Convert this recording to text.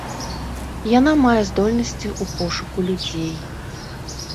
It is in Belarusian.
Яна мае здольнасці ў пошуку людзей.